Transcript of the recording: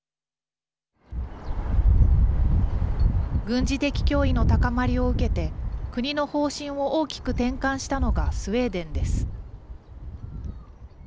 軍事的脅威の高まりを受けて国の方針を大きく転換したのがスウェーデンです。